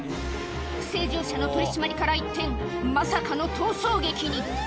不正乗車の取締りから、一転、まさかの逃走劇に。